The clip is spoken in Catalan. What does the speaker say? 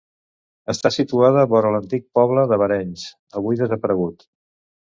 Està situada vora l'antic poble de Barenys, avui desaparegut.